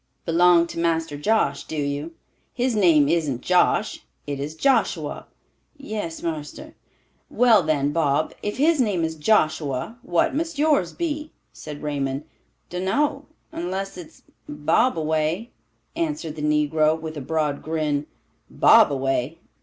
"Belong to Master Josh, do you? His name isn't Josh, it is Joshua." "Yes, marster." "Well, then, Bob, if his name is Joshua, what must yours be?" said Raymond. "Dun know, unless it's Bobaway," answered the negro, with a broad grin. "Bobaway!